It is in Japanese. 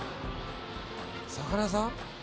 魚屋さん？